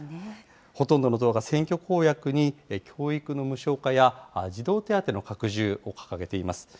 ほとんどの党が選挙公約に教育の無償化や児童手当の拡充を掲げています。